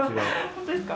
本当ですか？